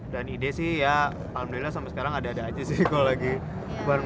dan ide sih ya alhamdulillah sampai sekarang ada ada aja sih kalau lagi bareng bareng apa